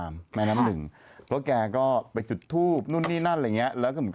แม่น้ำหนึ่งวันที่๑แล้ว